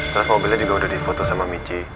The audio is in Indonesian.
terus mobilnya juga udah difoto sama michi